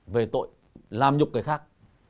về tội làm nhục người khác